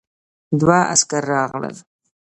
دوه عسکر راغلل.